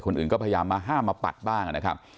คนอื่นก็พยายามมาห้ามมาปัดบ้างนะครับ